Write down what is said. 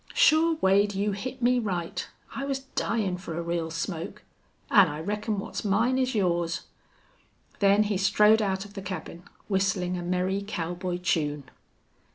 Sure, Wade, you hit me right. I was dyin' fer a real smoke. An' I reckon what's mine is yours." Then he strode out of the cabin, whistling a merry cowboy tune.